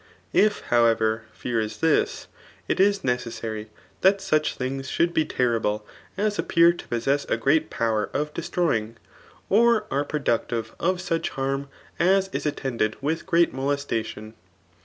If, httwever, fear is this, it is necesotry that such things eboQld be tenftle as t^pear to possess a great poner of destroying, or are producdve of such harm as is. attended with greal molestadon.